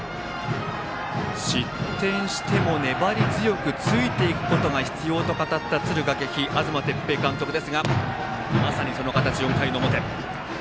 失点しても粘り強くついていくことが必要と語った敦賀気比の東哲平監督ですがまさにその形、４回の表。